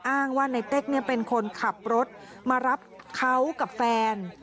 อ้างว่าในเต๊กเป็นคนขับรถมารับเขากับแฟน